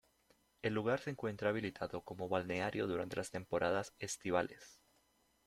El lugar se encuentra habilitado como balneario durante las temporadas estivales.